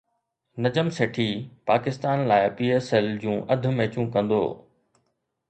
نجم سيٺي پاڪستان لاءِ P S L جون اڌ ميچون ڪندو